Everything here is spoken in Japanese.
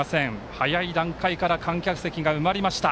早い段階から観客席が埋まりました。